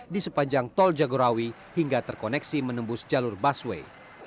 di sepanjang tol jagorawi hingga terkoneksi menembus jalur busway